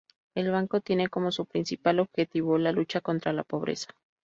El Banco tiene como su principal objetivo la lucha contra la pobreza.